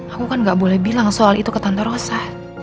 aku kan gak boleh bilang soal itu ke tante rosa